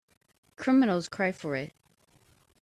Criminals cry for it.